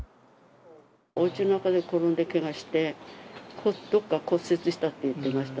おうちの中で転んでけがして、どっか骨折したって言ってました。